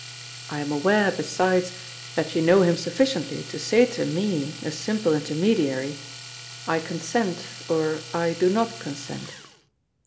I am aware, besides, that you know him sufficiently to say to me, a simple intermediary, 'I consent,' or 'I do not consent.'"